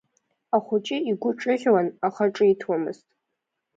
Ахәыҷы игәы ҿыӷьуан, аха ҿиҭуамызт.